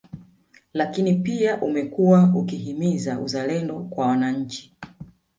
Lakini pia umekuwa ukihimiza uzalendo kwa wananchi